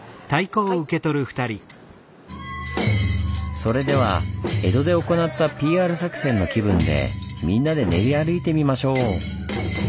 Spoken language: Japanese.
それでは江戸で行ったＰＲ作戦の気分でみんなで練り歩いてみましょう！